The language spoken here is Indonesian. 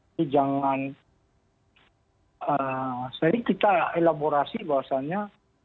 jadi jangan jadi kita elaborasi bahwasannya